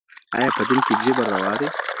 آيا په دين کي جبر روا دی؟